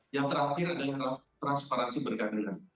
yang terakhir adalah transparansi berkeadilan